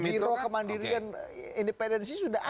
biro kemandirian independensi sudah ada